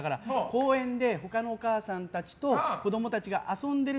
公園で他のお母さんたちと子供たちが遊んでいる。